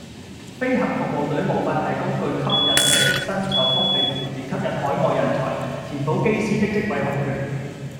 飛行服務隊無法提供具吸引力的薪酬福利條件吸引海外人才，填補機師的職位空缺